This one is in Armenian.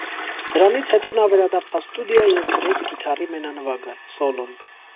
Դրանից հետո նա վերադարձավ ստուդիա և գրեց կիթառի մենանվագը (սոլոն)։